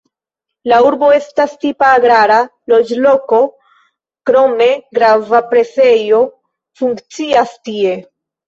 La urbo estas tipa agrara loĝloko, krome grava presejo funkcias tie.